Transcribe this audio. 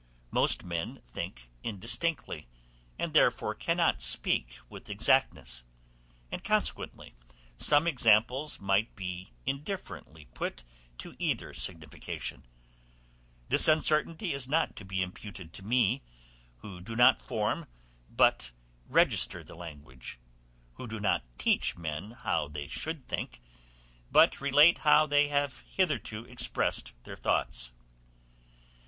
Most men think indistinctly, and therefore cannot speak with exactness; and consequently some examples might be indifferently put to either signification: this uncertainty is not to be imputed to me, who do not form, but register the language; who do not teach men how they should think, but relate how they have hitherto expressed their thoughts.